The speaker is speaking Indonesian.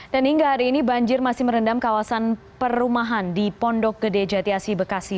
dan hingga hari ini banjir masih merendam kawasan perumahan di pondok gede jatiasi bekasi